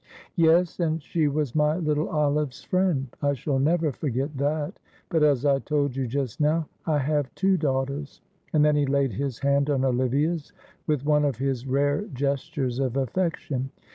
"Yes, and she was my little Olive's friend. I shall never forget that, but as I told you just now, I have two daughters," and then he laid his hand on Olivia's with one of his rare gestures of affection.